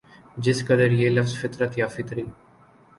جس قدر یہ لفظ فطرت یا فطری